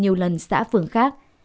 nhiều lần xã phường khác